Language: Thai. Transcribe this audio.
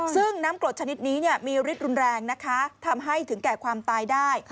ซึ่งน้ำกรดชนิดนี้มีฤทธิรุนแรงนะคะทำให้ถึงแก่ความตายได้